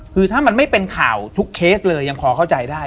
คือถ้ามันไม่เป็นข่าวทุกเคสเลยยังพอเข้าใจได้